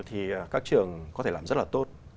thì các trường có thể làm rất là tốt